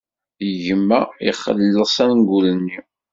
Gma ixelleṣ angul-nni.